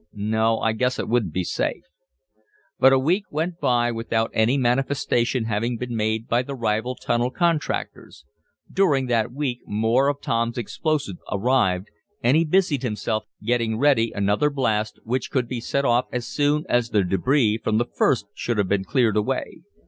"No, I guess it wouldn't be safe." But a week went by without any manifestation having been made by the rival tunnel contractors. During that week more of Tom's explosive arrived, and he busied himself getting ready another blast which could be set off as soon as the debris from the first should have been cleared away.